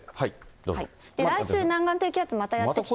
来週、南岸低気圧、またやって来て。